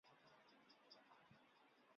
圣布里克德朗代莱。